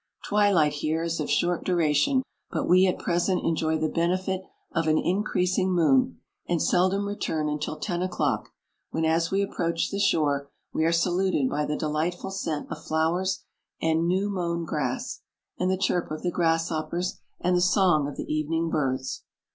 Twilight here is of short duration, but w r e at present enjoy the benefit of an increasing moon, and seldom return 96 until ten o'clock, when, as we approaclr the shore, v\|p are saluted by the delight ful scent of flowers and new mowa grass, and the chirp of the grasshoppers, and the song of the evening birds.